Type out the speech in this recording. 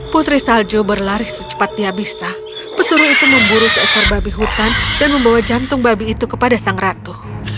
putri salju berlari secepat dia bisa pesuruh itu memburu seekor babi hutan dan membawa jantung babi itu kepada sang ratu